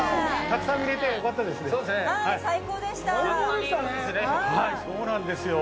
たくさん見れてよかったですね。